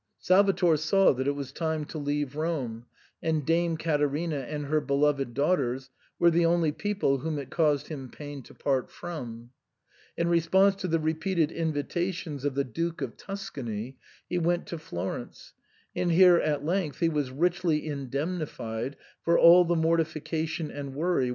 Salvator saw that it was time to leave Rome ; and Dame Caterina and her beloyed daughters were the only people whom it caused him pain to part from. In response to the re peated invitations of the Duke of Tuscany,* he went to Florence ; and here at length he was richly indemnified for all the mortification and worry which he had had ^ This was Ferdinand II.